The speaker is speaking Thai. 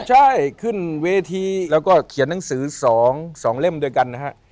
ใช่ขึ้นเวทีแล้วก็เขียนหนังสือ๒เล่มด้วยกันนะฮะ